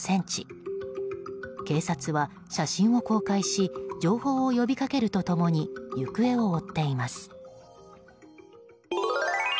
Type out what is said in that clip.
警察は、写真を公開し情報を呼びかけると共に行方を追っています。